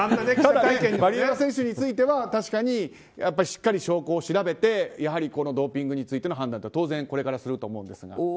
ワリエワ選手については確かにしっかり証拠を調べてドーピングについての判断は当然これからすると思うんですが。